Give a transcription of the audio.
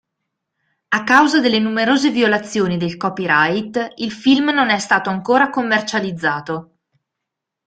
A causa delle numerose violazioni del copyright il film non è stato ancora commercializzato.